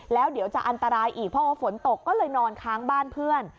แล้วเดี๋ยวจะอันตรายอีกเพราะว่าฝนตกก็เลยนอนค้างบ้านเพื่อน